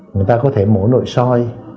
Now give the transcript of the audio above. người ta có thể mổ nội soi